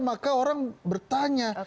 maka orang bertanya